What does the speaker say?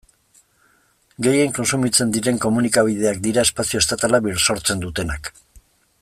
Gehien kontsumitzen diren komunikabideak dira espazio estatala bisortzen dutenak.